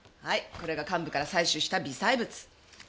これが患部から採取した微細物。